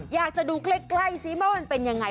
อยากจะดูใกล้ซิว่ามันเป็นยังไง